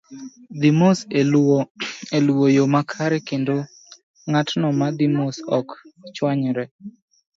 Dhi mos e luwo yo makare kendo ng'atno ma dhi mos ok chwamyre.